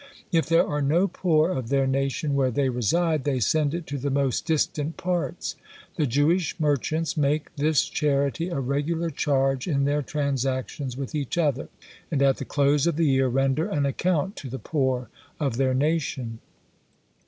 If there are no poor of their nation where they reside, they send it to the most distant parts. The Jewish merchants make this charity a regular charge in their transactions with each other; and at the close of the year render an account to the poor of their nation.